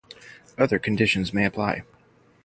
Other conditions may apply.